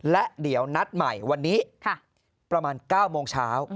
และเดี๋ยวนัดใหม่วันนี้ประมาณ๙โมงเช้า